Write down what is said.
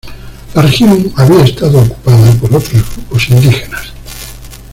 La región había estado ocupada por otros grupos indígenas.